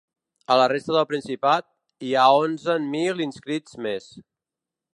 A la resta del Principat, hi ha onzen mil inscrits més.